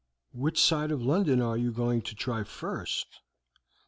"Which side of London are you going to try first?"